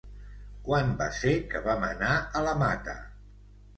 Quan va ser que vam anar a la Mata?